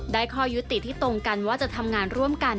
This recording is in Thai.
ข้อยุติที่ตรงกันว่าจะทำงานร่วมกัน